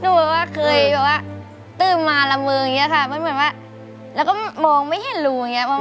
หนูบอกว่าเคยตื้อมาละมืออย่างนี้ค่ะมันเหมือนว่าแล้วก็มองไม่เห็นรูอย่างนี้ค่ะ